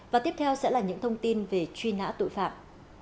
và tiếp theo sẽ là những thông tin về truy nã tội phạm